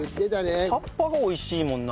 葉っぱも美味しいもんな。